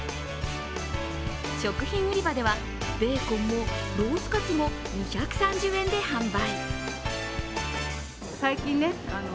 食品売り場ではベーコンもロースかつも２３０円で販売。